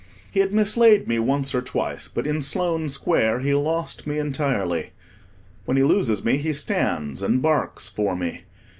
He had mislaid me once or twice, but in Sloane Square he lost me entirely. When he loses me, he stands and barks for me.